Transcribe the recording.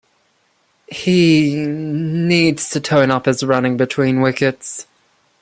He... needs to tone up his running between wickets.